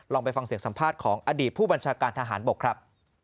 ไปฟังเสียงสัมภาษณ์ของอดีตผู้บัญชาการทหารบกครับ